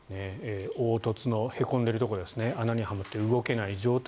凹凸のへこんでいるところですね穴にはまって動けない状態